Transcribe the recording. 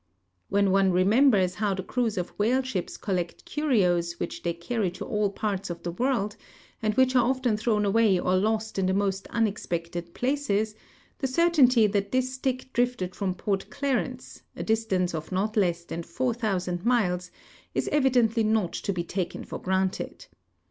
* When one remembers hoAV the creAVS of Avhaleships collect curios Avhich they carry to all parts of the Avorld, and Avhich are often throAvn aAvay or lost in the most un expected places, the certainty that this stick drifted from Port Clarence, a distance of not less than 4,000 miles, is evidently not to be taken for granted.